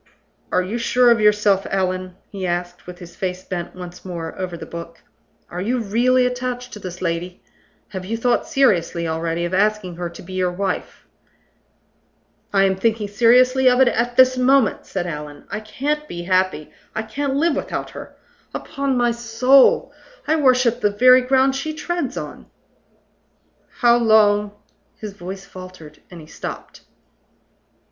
"Are you sure of yourself, Allan?" he asked, with his face bent once more over the book. "Are you really attached to this lady? Have you thought seriously already of asking her to be your wife?" "I am thinking seriously of it at this moment," said Allan. "I can't be happy I can't live without her. Upon my soul, I worship the very ground she treads on!" "How long " His voice faltered, and he stopped.